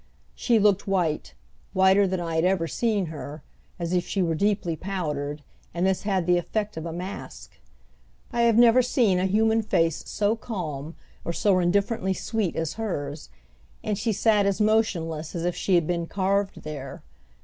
She looked white, whiter than I had ever seen her, as if she were deeply powdered, and this had the effect of a mask. I have never seen a human face so calm or so indifferently sweet as hers, and she sat as motionless as if she had been carved there.